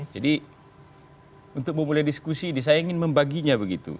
jadi untuk memulai diskusi ini saya ingin membaginya